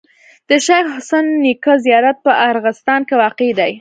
د شيخ حسن نیکه زیارت په ارغستان کي واقع دی.